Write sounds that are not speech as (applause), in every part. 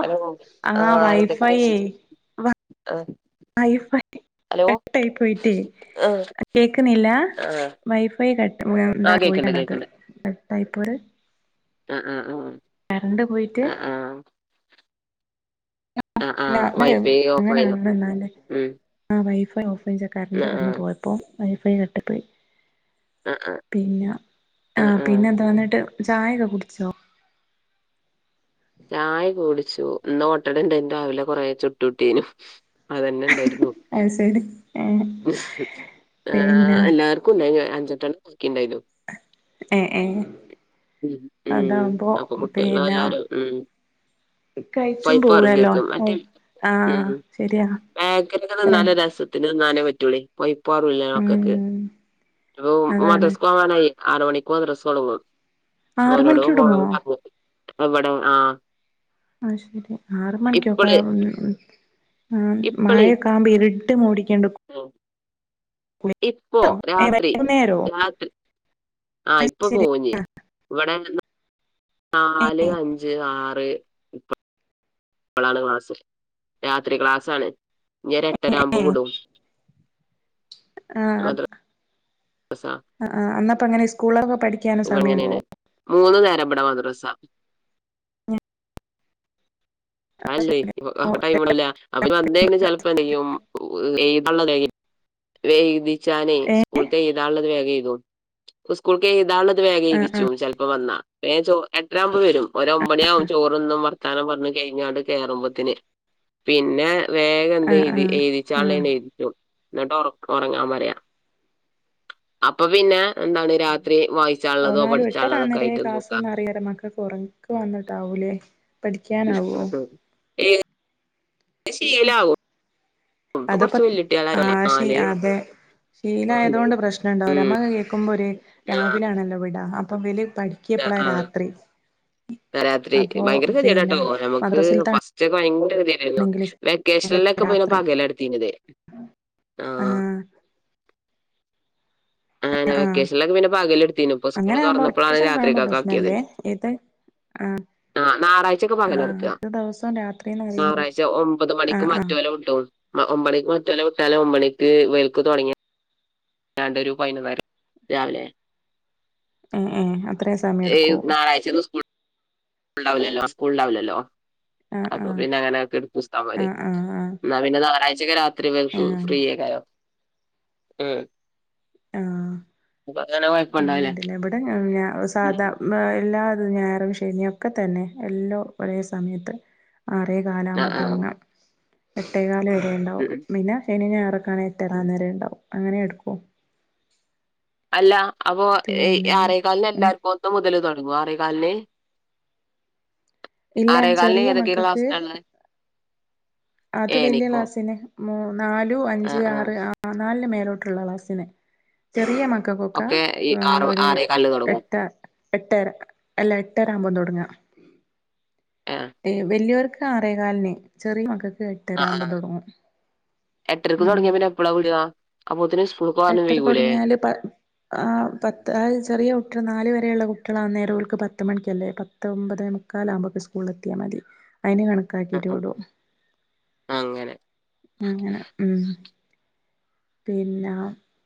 Hello ആഹ് എന്തൊക്കെണ്ട് വിശേഷം? ആഹ്. വൈ ഫൈ കട്ടായി പോയിട്ടേ. ആ കേക്ണില്ല. ആ വൈഫൈ കട്ട് (unintelligible) ആ ന്താണ് കേക്കണ്ട് പോയിതാണ് അത്. കേക്കണ്ട് കട്ടായ്പ്പോയത്. ആ ആ ആ കരണ്ട് പോയിട്ട്. ആ ആ ആ ആ വൈഫൈ (unintelligible) ഓഫ് ആയതോ അങ്ങനാണ്ന്നാല് ഉം ആഹ് വൈഫൈ ഓഫായിച്ചാ കറണ്ട് ആ ആ ഇവട്ന്ന് പോയപ്പം വൈഫൈ കട്ടായ്പോയി. ആ ആ പിന്ന ആ ആഹ് ആ പിന്നെന്താ ന്നട്ട്, ചായൊക്കെ കുടിച്ചോ. ചായ കുടിച്ചു. ഇന്ന് ഓട്ടടണ്ടേനു രാവിലെ കൊറെ ചുട്ടുട്ടീനു. അതന്നെ ഇണ്ടായിരുന്നു. അത് ശരി ഏ പിന്നെ ആഹ് എല്ലാർ ക്കും ഇണ്ടായിനു അഞ്ചെട്ടെണ്ണം വാക്കിൺണ്ടായ്നു. ഏഹ് ഏഹ് ഉം ഉം അപ്പൊ കുട്ട്യേളു പിന്നെ എല്ലാരും ഉം കഴിച്ചും പയ്പ്പാറും പോവല്ലോ ശര്ക്ക്. മറ്റത് ഉം ആഹ് ശരിയാ ബേക്കറ്യൊക്കെ തിന്നാല് രസ ത്തിന് തിന്നാനേ പറ്റൊള്ളേയ്. പയ്പാറൂല്ലല്ലോ മക്കക്ക്. ഉം ഊം അതാണ് മദ്രസ്ക് പോവാനായേ. ആറു മണിക്ക് മദ്രസ് തൊടുങ്ങും ആറ് ഓനോട് മണിക്ക് പ്പം വിടുമോ പോണം പറഞ്ക്. ഇവടെ ആഹ് ആഹ് ശരി. ആറ് മണിക്ക്യൊക്കെ ഇപ്പള് മ്മ് മ് ആഹ് ഇപ്പള് മയൊക് കാവുമ്പോ ഇരിട് മൂടിക്ക്യെണ്ട്ക്കും. (unintelligible) ഇപ്പോ രാത്രി വൈകുന്നേരോ രാത്രി ആഹ് അത് ഇപ്പൊ ശരി പോവുംഞ്. ഇവടെ ഏ നാല് അഞ്ച് ആറ് ഇപ്പളാണ് ക്ലാസ് രാത്രി ക്ലാസാണ് ഇഞ്ഞൊര് എട്ടരാവുമ്പോ വുടും. ആഹ് അസാ ആഹ് ആഹ് അന്നപ്പ അങ്ങനെ സ്കൂൾളൊക്കെ പഠി ഇവടെ ഇങ്ങനേണ് മൂന്ന് നേരാ ഇബടെ മദ്രസ അഹ് അല്ലേയ് ഇവ് ആഹ് അപ്പം ടൈമും (unintelligible) അപ്പം വന്നേക്കന്നെ ചെലപ്പന്തെയ്യും ഉ എഴ്താള്ളെ വേം എഴ് വേം എഴ്തിച്ചാലേയ് ഏ സ്കൂള്ത്തെ എഴുതാള്ളത് വേഗെയ്തും സ്കൂൾക്ക് എഴ്താള്ളത് ആ ആ വേഗെഴ്തിച്ചും ചെലപ്പം വന്നാ വേം ചോ എട്ടരാവുമ്പം വെരും ഒരു ഒമ്പണിയാവും ചോറ്ന്നും വർത്താനം പറഞ്ഞ് കഴിഞ്ഞാണ്ട് കേറുമ്പത്തിന് പിന്നെ വേഗം ആ എന്തെ ആ എഴുതി ആ എഴുതിച്ചാള്ളെന്നെ എഴു യും ഇന്ന്ട്ട് ഒറ ഒറങ്ങാ പറിയാ അപ്പം പിന്നെ എന്താണ് രാത്രി വായിച്ചാള്ളതോ പഠിച്ചാള്ളതൊക്കായിട്ട് സുഖാ അറിയേല (unintelligible) ക്ക് വന്ന്ട്ടാവുലേ (unintelligible) ഏഹ് ശീലാവും ഇപ്പൊ അത് പ കൊറച്ച് വല്ല്യുട്ട്യാളായില്ലേ ആഹ് ശീ നാല് ആഹ് അതെ ശീലായതോണ്ട് പ്രശ് ശ്നം ഇണ്ടാവൂല അമ്മെ അഹ് കേൾക്കുമ്പോ ഒര് രാവിലാണല്ലോ വിടാ അപ്പം ഇവല് പഠി ന ആഹ് ആഹ് രാത്രി അപ്പൊ ഭയങ്കര കെതിയാടട്ടോ പിന്നെ ഞമ്മക്ക് മദ്രസിലത്താണെങ്കിൽ ഫസ് റ്റൊക്കെ വയങ്കര കെതിയെടേരുന്നു വെക്കേഷന്ലൊക്കെ പിന്നെ രാത്രി പകലാ ഇട്ത്തീനിയത് ആഹ് അങ്ങനെ ആഹ് വെക്കേഷനിലൊക്കെ പിന്നെ പകലെടുത്തീനു ഇപ്പൊ സ്കൂള് അങ്ങനെയാവുമ്പോ തുറന്നപ്പോഴാണ് വെക്കേഷനൊക്കാവുമ്പം രാത്രിക്കൊക്കെ പ്രശ്നല്ലേ ഇത് ആഹ് ആഹ് ഞാറാഴ്ചെക്കെ പകലാ ഇട്ക്കാ ഇത് ദിവസവും രാത്രിന്ന് പറയുന്നല്ലോ ഞാറാഴ്ച ഒമ്പത് മണിക്ക് ആഹ് ആഹ് മറ്റോലെ വിടും മ ഒമ്പണിക്ക് മറ്റോലെ വിട്ടാലാ ഒമ്പണിക്ക് ഇവല്ക്ക് തൊടങ്ങി യാണ്ടൊരു പയിനൊന്നര രാവിലെ ഏഹ് ഏഹ് അത്രേം സമയം ഇട്ക്കൊ ആയ്ച്ചൊന്ന് സ്കൂള് സ്കൂൾ ഇണ്ടാവുല്ലല്ലോ ആഹ് സ്കൂൾ ഇണ്ടാവുല്ലല്ലോ ആഹ് അപ്പൊ ആഹ് പിന്നെ അങ്ങനക്കെട്ക്കും ഉസ്താമാര് ആഹ് ആഹ് ന്നാ പിന്നെ ഞാറാഴ്ചക്കെ രാത്രി ആഹ് ഇവല്ക്ക് ആഹ് ഫ്രീയേക്കാരം ആഹ് അപ്പൊ അങ്ങനെ ആഹ് കൊഴപ്പണ്ടാവില്ല ഇണ്ടില്ലേ ഇവടെ ഞാ ഞാ ഉം സാധാ ബ എല്ലാതും ഞായറും ശനിയൊക്കെ തന്നെ എല്ലോ ഒരേ സമയത്ത് ആറേ ആ കാലാവുമ്പം ആ ഉം തൊടങ്ങാ എട്ടേകാൽ വരെ ഇണ്ടാവും ഉം. പിന്നെ ശനിം ഞായറൊക്കെ ആണെ എട്ടേകാൽ വരെ ഇണ്ടാവും അങ്ങനെ എടുക്കു അല്ല അപ്പൊ ഏയ് പിന്നെ ആറേക്കാല്ന് ഉം എല്ലാർക്കും ഒന്ന് മുതൽ തൊടങ്ങൊ ആറേക്കാല്ന് ഇല്ല ആറേകാലിന് ചെറിയ ഏതൊക്കെ മക്കക്ക് ക്ലാസ്സിലാ ഉള്ളെ അത് വല്ല്യ ഏനിക്കോ ക്ലാസിന് മു നാലു, അഞ്ച്, ആറ് ആഹ് നാലിന് മേലോട്ടുള്ള ക്ലാസിന് ചെറിയ മക്കള്ക്കൊക്കാ ഒക്കെ ഈ ആഹ് ആറ് ഒരു ആറേകാലിന് തുടങ്ങും എട്ട എട്ടര അല്ല എട്ടര ആവുമ്പം തൊടങ്ങാ ഏഹ് ഏഹ് വെല്ല്യോര്ക്ക് ആറേ കാല്ന് ചെറിയ മക്കള്ക്ക് എ ആഹ് ആഹ് എട്ടര്ക്ക് ഉം തൊട്ങ്ങ്യാ പിന്നെ എപ്പളാ വിടാ? അപ്പോത്തിന് സ്കൂള്ക്കോവാന് വൈകൂലേ ല്ല പ ആഹ് പത്ത് അഹ് ചെറിയെ കുട്ടിയള് നാല് വരെയുള്ള കുട്ടിയാളാന്നേരം ഓൽക്ക് പത്ത് മണിക്ക്യല്ലേ പ ത്തൊമ്പതേ മുക്കാലാവുമ്പോക്ക് സ്കൂള്ല് എത്ത്യാ മതി അയ്ന് ആഹ് കണക്കാക്കിട്ട് ആഹ് വിടും അങ്ങനെ അങ്ങനെ ഉം പിന്നെ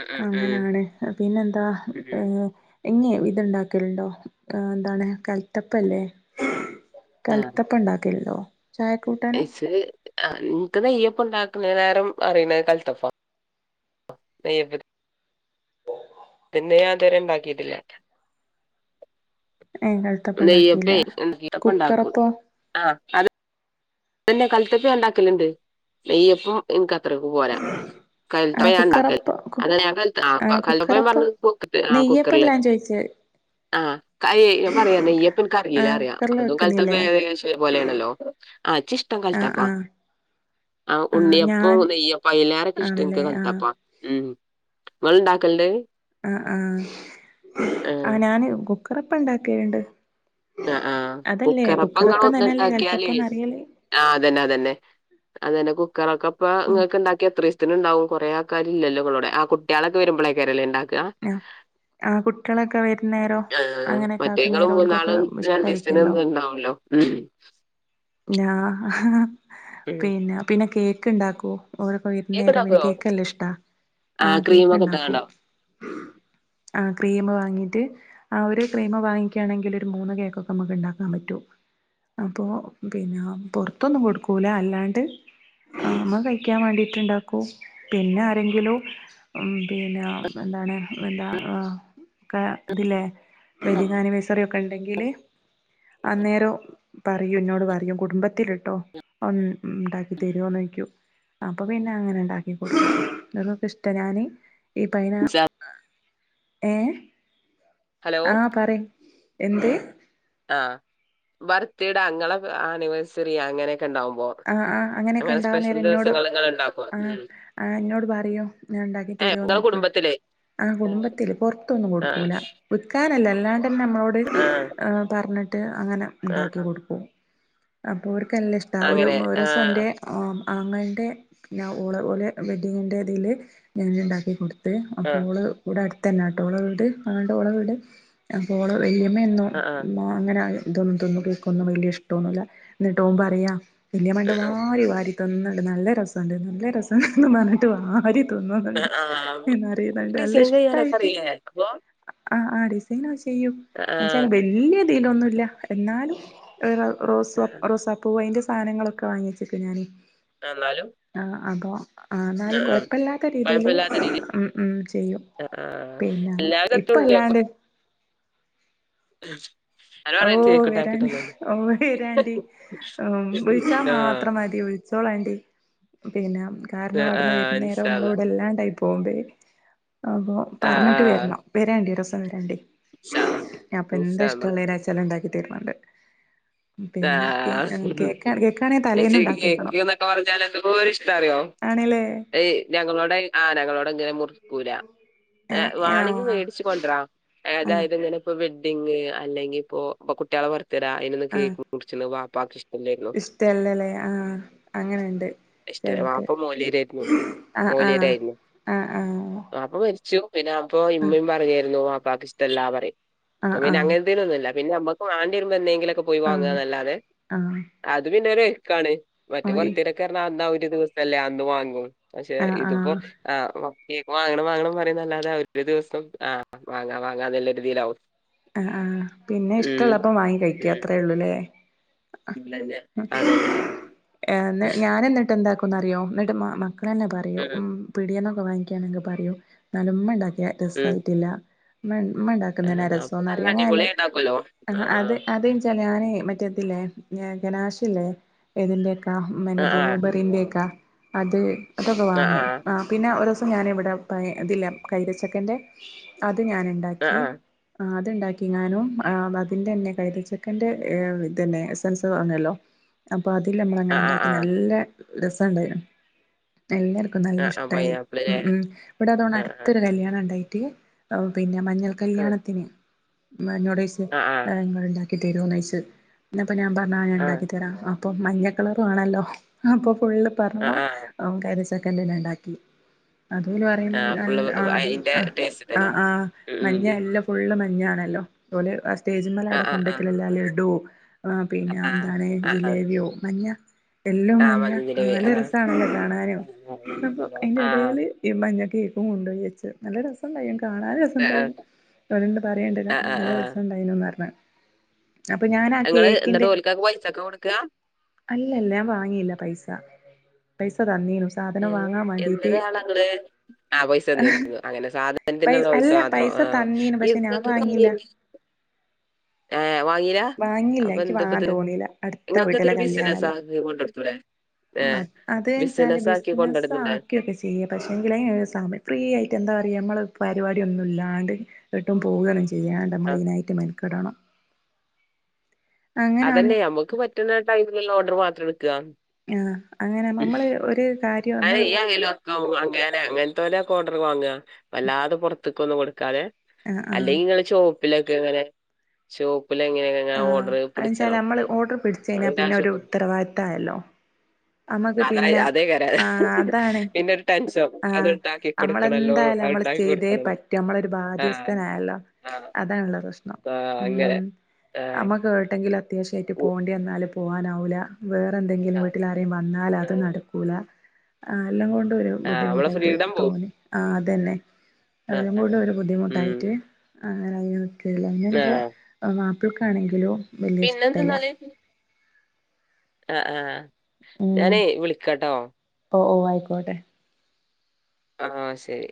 ഉം ഉം അങ്ങനാണ് ഏഹ് പിന്നെന്താ ഉം ഉം ഏഹ് ഇഞ്ഞെ ഇത് ഇണ്ടാക്കല്ണ്ടോ ഏഹ് എന്താണ് കൽത്തപ്പല്ലേ കൽത്തപ്പം ഇണ്ടാക്കല്ണ്ടോ ചായക്കൂട്ടാ ഇഷ് ആഹ് ഇൻക്ക് നെയ്യപ്പം ഇണ്ടാക്കണേക്കാലും അറിയണത് കൽത്തപ്പവാ നെയ്യപ്പ ത്തിനെ ഞാൻ ഇത് വരെ ഉണ്ടാക്കീട്ടില്ല (unintelligible) നെയ്യപ്പേയ് (unintelligible) കുക്കറപ്പോ ആഹ് അത് പിന്നെ കൽത്തപ്പം ഉണ്ടാക്കലണ്ട് നെയ്യപ്പം എനിക്കത്രക്ക്‌ പോരാ ആഹ് കുക്കറപ്പം കു ആഹ് കുക്കറപ്പം നെയ്യപ്പല്ല ഞാൻ (unintelligible) ചോയിച്ചേ ആഹ് കൈ ഞാൻ പറയാ നെയ്യപ്പം എനിക്ക് അറിയില്ല ആഹ് പറയാ കുക്കറില് അതും വെക്കുന്നില്ലേ കൽത്തപ്പവും ഏകദേശം ഒരു പോലെയാണല്ലോ ച്ചിഷ്ടം ആഹ് കൽത്തപ്പവാ ആഹ് ആ ആഹ് ഞാൻ ഉണ്ണിയപ്പവും നെയ്യപ്പവും അയ്ലേറെ ഇഷ്ടം എനിക്ക് ആണല്ലേ ആഹ് കൽത്തപ്പവാ ഉം ഇങ്ങൾ ഉണ്ടാക്കലുണ്ട് ആഹ് ആഹ് ആ ഞാന് കുക്കറപ്പം ഉണ്ടാക്കലുണ്ട് ആഹ് ആഹ് കുക്കറപ്പം (unintelligible) തന്നെല്ലേ ഉണ്ടാക്കിയാല് കലത്തപ്പംന്ന് അറിയല് ആഹ് അത് തന്നെ അത് തന്നെ അത് തന്നെ കുക്കറൊക്കെ അപ്പം ആഹ് ഇങ്ങൾക്ക് ഉണ്ടാക്കിയാ (unintelligible) ത്തിന്ണ്ടാവും കുറെ ആൾക്കാരില്ലല്ലോ നിങ്ങടെ കൂടെ ആ കുട്ടികളൊക്കെ വരുമ്പളേക്കാരം അല്ലേ ഉണ്ടാക്കുക. ആഹ് ആഹ് കുട്ട്യാളൊക്കെ വരാന്നേരം അങ്ങനൊക്കെ ആക്കുന്നേരം ഓൽക്കൊക്കെ ഇത് ഇഷ്ടായിക്കല്ലോ രണ്ടീസത്തിനുള്ളത് ഉണ്ടാവൂലോ ഉം ഞാ ഉം പിന്നെ പിന്നെ കേക്കുണ്ടാക്കും ഓരൊക്കെ വരും കേക്ക് നേരം പിന്നെ ഇണ്ടാക്കോ കേക്ക്‌ നല്ല ഇഷ്ടവാ ആ ആഹ് ക്രീമൊക്കെ കേക്കുണ്ടാക്കും ഇട്ടാണ്ടോ ആഹ് ക്രീമ് വാങ്ങീട്ട് ആഹ് ഒരു ക്രീമ് വാങ്ങിക്കാണെങ്കി ഒരു മൂന്ന് കേക്കൊക്കെ നമുക്ക് ഉണ്ടാക്കാൻ പറ്റും അപ്പൊ പിന്നെ പൊറത്തൊന്നും കൊടുക്കൂല അല്ലാണ്ട് നമ്മ കഴിക്കാൻ വേണ്ടീട്ട് ഉണ്ടാക്കും പിന്നെ ആരെങ്കിലും ഉം പിന്നെ എന്താണ് എന്താ ആഹ് ക്കെ ഇതില്ലേ വെഡിംങ് ആനിവേഴ്സറി ഒക്കെ ഉണ്ടെങ്കില് അന്നേരം പറയും ഇന്നോട് പ റയും കുടുംബത്തില് കേട്ടോ ഉം ഉണ്ടാക്കി തരുവോന്ന് ചോദിക്കും അപ്പൊ പിന്നെ അങ്ങനെ ഉണ്ടാക്കി കൊടുക്കും (unintelligible) ഞാന് ഈ പൈന ഏ ഹലോ ആ പറയ് എന്ത് ആഹ് ബർത്ത്ടെ അങ്ങളെ ആനിവേഴ്സറി അങ്ങനൊക്കെ ഉണ്ടാവുമ്പോ ആഹ് ആഹ് അങ്ങനൊക്കെ അങ്ങനെ ഉണ്ടാവാൻ സ്പെഷ്യൽ നേരം എന്നോട് ദിവസങ്ങൾ നിങ്ങൾ ഉണ്ടാക്കും ആഹ് ഉം ആഹ് എന്നോട് പറയും ഞാൻ ഉണ്ടാക്കി ഏ തരുവോന്ന് നിങ്ങളെ ചോദിക്കും കുടുംബത്തിലേ ആഹ് ആ കുടുംബത്തില് പൊറത്തൊന്നും കൊടുക്കൂല വിക്കാനല്ല അല്ലാണ്ടന്നെ നമ്മളോട് ആ പറഞ്ഞിട്ട് അങ്ങനെ ആ ഇണ്ടാക്കി ആ. കൊടുക്കും അപ്പോ ഓർക്ക് നല്ല ഇഷ്ടവാ ഒരു അങ്ങനെ ആ ദിവസം എന്റെ ആ ആഹ് ആങ്ങളേൻ്റെ ഞാ ഓളെ ഓലെ വെഡ്ഡിംങ്ങിൻ്റെ ഇതീല് ഞാന് ഉണ്ടാക്കി കൊടു ത്തിട്ട് ആ അപ്പൊ ഓള് ഇവിടെ അടുത്ത് തന്നെയാ കേട്ടോ ഓളെ വീട് ആങ്ങളേന്റെ ഓൾടെ വീട് അപ്പോ ഓള് വല്ല്യമ്മ എന്നും ആ അങ്ങനെ ഇതൊ ഇതൊന്നും ഓൽക്കൊന്നും വല്യ ഇഷ്ടവൊന്നുവില്ല എന്നിട്ട് ഓൻ പറയാ വല്ലിമ്മ കണ്ട മാതിരി വാരി തിന്നണ്ട് നല്ല രസമുണ്ട് നല്ല രസമുണ്ടെന്ന് പറഞ്ഞിട്ട് വാരി തിന്നുന്നുണ്ട് ആ ആ എന്നറിഞ്ഞാണ്ട് നല്ല ഡിസൈൻ ഇഷ്ടാ ചെയ്യാനൊക്കെ ഓൽക്ക്‌ അറിയില്ലേ അപ്പൊ ആഹ് ആഹ് ഡിസൈനൊക്ക ചെയ്യൂം ആ ആ എന്ന് വെച്ചാ വല്യ ഇതിലൊന്നും ഇല്ലാ എന്നാലും ആ. റോസാ റോസപ്പൂവ് അയിന്റെ സാധനങ്ങളൊക്കെ വാങ്ങിച്ച് വക്കും ഞാന് ഏന്നാലും ആഹ് അപ്പൊ ആ എന്നാലും കുയപ്പല്ലാത്ത രീതീല് ഉം ഉം ചെയ്യും ആഹ് പിന്നെ എല്ലാരും ഇപ്പ അല്ലാണ്ട് (unintelligible) ഓ വെരാന് ഓ വെരേണ്ടി ഓ വിളിച്ചാ ആ മാത്രം മതി വിൾ ച്ചോളാണ്ടി പിന്നെ ആ കാരണം ആ, അവടെന്ന് വരുന്നേരം ഇൻഷാ അല്ലാ ഇമ്മളവടെല്ലാണ്ടായ് പോന്തേ അപ്പൊ ആ ആ പറഞ്ഞിട്ട് വെര്ണം വെരേണ്ടി ഒരൂസം വെരേണ്ടി ഇൻഷാ അല്ലാ അപ്പ എന്താ ഇൻഷാ അല്ലാ ഇഷ്ടള്ളേരാച്ചാല് ഇണ്ടാക്കി തെരണെണ്ട് പിന്നെ കേ അഹ് ആഹ് കേക്കാണ് കേക്കാണെ പക്ഷേ തലേന്നിണ്ടാക്കി വെക്കണം കേക്ക് ന്നൊക്കെ പറഞ്ഞാൽ എന്തോര് ഇഷ്ടാ അറിയോ ആണേലേ ഏയ് ഞങ്ങളോടെ ആനകളോട് ഇങ്ങനെ മുറി ക്കൂല എഹ് ആഹ് വാണെങ്കി ആഹ് മേടിച്ച് കൊണ്ട്രാ ആഹ് ഏതായത് ഇങ്ങനെ ഇപ്പൊ വെഡിംങ് അല്ലെങ്കിപ്പോ ഇപ്പൊ കുട്ട്യോളെ ബർത്ത് ഡ അയ്നൊന്നും കേക്ക് മുർച്ചണ് വാപ്പാക്ക് ഇഷ് ഇഷ്ട്ടല്ലല്ലേ ആഹ് അങ്ങനെണ്ട് ഇഷ്ടല്ല ചെലർക്ക് വാപ്പ മോല്യേരായിരുന്നു ആഹ് ആഹ് ആഹ് ആഹ് ഇപ്പ മരിച്ചു പിന്നാ അപ്പൊ ഇമ്മിം പറയേരുന്നു വാപ്പാക്ക് ഇഷ്ട്ടല്ലാ പറയും ആഹ് ആഹ് ആഹ് പിന്നങ്ങനെ ത്തീനൊന്നുല്ല പിന്നെ അമ്മ്ക്ക് വാണ്ടി വരുമ്പൊ എന്തേങ്കിലൊക്കെ പോയി ആഹ് വാങ്ങ്വാന്നല്ലാതെ ആഹ് ആഹ് അത് പിന്നെ രേക്കാണ് മറ്റേ ബർത്ത് ഡേയ്ക്കെർന്നാ അന്ന ഒരു ദിവസല്ലേ അന്ന് വാങ്ങൂ പക്ഷെ ആഹ് ആഹ് ഇതിപ്പൊ ആഹ് ആഹ് വ കേക്ക് വാങ്ങണം വാങ്ങണം പറയുന്ന അല്ലാതെ ഒരു ദിവസം ആഹ് വാങ്ങാ വാങ്ങാന്നല്ല രീതീലാവും ആഹ് ആഹ് പിന്നെ ഇഷ്ട്ടൊള്ളപ്പ വാങ്ങി കഴിക്കാ ഉം അത്ര ഒള്ളൂല്ലേ ഇല്ലന്നെ അതന്നെ എഹ് ഞാനന്നിട്ട് എന്താ ക്കുന്നറിയോ എന്നിട്ട് മ മക്കളന്നെ പറയും ഉം പിടിയേന്നൊക്കെ വാങ്ങിക്കാണെങ്കി പറയും എന്നാലും ഉമ്മ എണ്ടാക്കിയ ഉം രെസായിട്ടില്ല ഉമ്മ ഉമ്മ ആ എണ്ടാക്കുന്നേനാ അപ്പൊ രസോന്ന നല്ല പറയ അങ്ങനെല്ല അടിപൊളി ഉണ്ടാക്കുമല്ലോ ആ അത് അത് എൻച്ചാൽ ഞാന് മറ്റേത് ഇല്ലേ ഘനാഷില്ലേ ഏതിന്റെ കാ ആ മിന്നെ ബ്ലൂബെറീന്റേക്ക അത് അതൊക്കെ ആ ആ വാങ്ങും ആഹ് പിന്നെ ഒരൂസം ഞാനിവടെ പ ഇതില്ലേ കൈതച്ചക്കേൻ്റെ അത് ആ ആ ഞാനിണ്ടാക്കി ആഹ് അതെണ്ടാക്കി ഞാനും ആഹ് അതിന്റെ തന്നെ കൈതച്ചെക്കന്റെ എഹ് ഇതന്നെ എസൻസ് എന്ന് പറഞ്ഞല്ലോ അപ്പൊ അതില് ആ ആ ആ നമ്മളങ്ങനെ ഇണ്ടാക്കി ആ നല്ല രസണ്ടേനു എല്ലാർ ക്കും നല്ല ആ ആ ആ ഇഷ്ട്ടായി പൈനാപ്പിളല്ലേ ഉം ഉം ഇവിടെ അതൊണ്ട് ആ ആ അട്ത്തൊരു കല്ല്യാണം ഇണ്ടായിട്ട് ഒഹ് പിന്നെ മഞ്ഞൾ ആ കല്യാണ മെനൊടൈസ് ആ ആഹ് ഇങ്ങള് ഇണ്ടാക്കി തെരോന്നോയ്ച്ച് ഇന്നിപ്പൊ ഞാൻ പറഞ്ഞ് ആഹ് ഞാൻ ആ എണ്ടാക്കി തരാം അപ്പൊ മഞ്ഞ കളറ് വേണല്ലോ അപ്പൊ ഫുള്ള് ആ പറഞ്ഞണം ആ ഓൻ കൈതച്ചക്കെന്റേന്നെ എണ്ടാക്കി അതും ഓല് ആ പറയുന്നു ഫുള്ള് (unintelligible) ആഹ് അതിന്റെ ആഹ് ടേസ്റ്റ് തന്നെ ആഹ് ഉം ഉം മഞ്ഞ എല്ലാം ഫുള്ള് മഞ്ഞയാണല്ലോ ഓല് ആ ആ സ്റ്റേജിമ്മെലവിടെ ആ കൊണ്ട് വെക്കലല്ലേ ആ ലഡു ആഹ് പിന്നെ ആ എന്താണ് ആ ആ ജിലേബിയോ മഞ്ഞ എല്ലും ആഹ് മഞ്ഞ മഞ്ഞിതില് ആഹ് നല്ല രസാണല്ലേ കാണാനും അപ്പൊ അയിന്റെ ആഹ് എടേല് ഈ മഞ്ഞ കേക്കും കൊണ്ടോയി വെച്ചു നല്ല രസണ്ടായി കാണാന് ആഹ് രസുണ്ടായിരുന്നു ഓലണ്ട് പറയേണ്ടില്ല ആഹ് ആഹ് നല്ല ആഹ് രസണ്ടായിനുന്ന് പറഞ്ഞ അപ്പ ഞാനാ ഇങ്ങള് എന്നിട്ട് കേക്കിന്റെ ഓൽക്കൊക്കെ പൈസൊക്കെ കൊടുക്കാ അല്ലല്ലാ ഞാൻ വാങ്ങീല്ല പൈസ പൈസ തന്നീനു സാധനം ഏഹ് വാങ്ങാൻ വേണ്ടീട്ട് എന്തൊരു ആളാ ഇങ്ങള് ആ പൈസ തന്നിരുന്നു അങ്ങനെ സാധനത്തിനിള്ള പൈസ അല്ല മാത്രം ആ തന്നീന് പക്ഷെ ഞാൻ ഇങ്ങക്ക് കമ്മി വാങ്ങില്ല ഏഹ് വാങ്ങീല വാങ്ങില്ല്യ അപ്പൊ ഇന്ക്ക് വാങ്ങാൻ എന്താപ്പത് തോന്നീല അടുത്ത ഇങ്ങക്ക് വീട്ടിലെ ഇതൊരു ബിസിനസ് കല്യാണല്ലേ ആക്കി കൊണ്ടടുത്തൂടെ ഇം അ‌ ഏഹ് അതെൻച്ചാല് ബിസിനസ് ആക്കി ബിസിനസ് കൊണ്ടടന്നൂടെ ആക്കിയൊക്കെ ചെ യ്യാം പക്ഷേങ്കില് സമയം ഫ്രീ ആയിട്ട് എന്താ പറയ നമ്മള് പരിപാടിയൊന്നും ഇല്ലാണ്ട് ഏട്ടും പോവൊന്നും ചെയ്യാണ്ടെ നമ്മള് അയ്നായിട്ട് മെനക്കെടണം അതന്നെ അങ്ങനാന്ന് നമുക്ക് പറ്റണെ ടൈമിലെള്ള ഓർഡറ് മാത്രം എടുക്കാ ആഹ് അങ്ങനെ നമ്മ നമ്മള് ഒര് കാര്യം നമ്മള് (unintelligible) അങ്ങനെ അങ്ങൻത്തോലൊക്കെ ഓഡർ വാങ്ങ വല്ലാതെ പൊറത്ത്ക്കൊന്നും കൊടുക്കാതെ ആഹ് ആഹ് അല്ലെങ്കി ഇങ്ങള് ഷോപ്പിലൊക്കെങ്ങനെ ഷോപ്പിലങ്ങനെങ്ങനെ ആഹ് അതെന്താച്ചാൽ നമ്മള് ഓർഡർ പിടിച്ച കഴിഞ്ഞാൽ അതിന്റെ പിന്നെ ഒരു ആവശ്യത്തും ഉത്തരവാദിത്തായല്ലോ നമ്മക്ക് അത പിന്നെ അതേകാരം അ ആഹ് അതാണെ പിന്നെ ഒരു ടെൻഷൻ അത് ആഹ് ഉണ്ടാക്കി കൊടുക്കണല്ലോ അമ്മളെന്തായാലും അത് നമ്മള് ഉണ്ടാക്കി ചെയ്തേ കൊടുക്കണം പ റ്റു നമ്മളൊരു ആ ബാധ്യസ്ഥനായല്ലോ ആ അതാണുള്ള പ്രശ്നം ആ അങ്ങനെ ഉം ആ അമ്മക്ക് ഏട്ടെങ്കിലും അത്യാവശ്യായിട്ട് ഉ പോണ്ടി വന്നാല് പോവാനാവുലാ വേറെ എന്തെങ്കിലും ആ വീട്ടിൽ ആരേൽ വന്നാൽ ആ അത് നടക്കൂല ആഹ് എല്ലാം കൊണ്ടും ഒരു ആ നമ്മളെ ബുദ്ധിമുട്ടായിട്ട് ഫ്രീഡം പോവും തോന്നി ആഹ് ഉം. അതെന്നെ ആ എല്ലോം ആ കൂടെ ഒരു ഉം ബുദ്ധിമുട്ടായിറ്റ് (unintelligible) ആ എൻ്റെ മാപ്പിൾക്കാണെങ്കിലോ വല്യ ഇഷ്ടല്ല പിന്നെന്തന്നാല് ആഹ് ആഹ് ഉം ഞാനെ വിളിക്കട്ടോ ഓഹ് ഓഹ് അയിക്കോട്ടെ ആഹ് ശരി